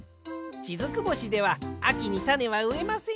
しずく星ではあきにたねはうえません！